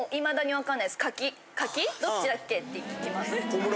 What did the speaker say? どっちだっけ？って聞きます。